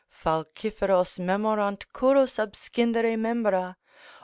"Falciferos memorant currus abscindere membra